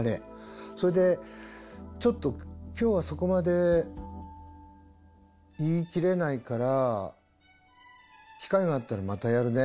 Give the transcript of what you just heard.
それでちょっと今日はそこまで言い切れないから機会があったらまたやるね。